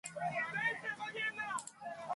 Baked goods have been around for thousands of years.